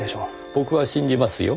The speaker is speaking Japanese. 僕は信じますよ。